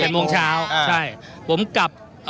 ๗โมงเช้า